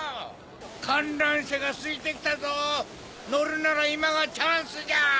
観覧車がすいてきたぞ乗るなら今がチャンスじゃ！